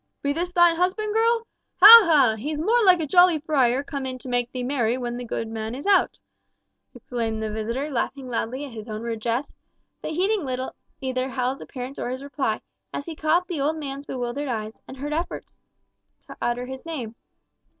"Be this thine husband, girl? Ha! ha! He's more like a jolly friar come in to make thee merry when the good man is out!" exclaimed the visitor, laughing loudly at his own rude jest; but heeding little either Hal's appearance or his reply, as he caught the old man's bewildered eyes, and heard his efforts to utter his name.